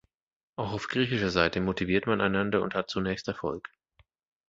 Auch auf griechischer Seite motiviert man einander und hat zunächst Erfolg.